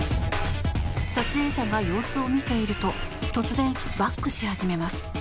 撮影者が様子を見ていると突然、バックし始めます。